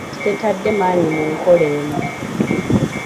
Gavumenti tetadde maanyi mu nkola eno.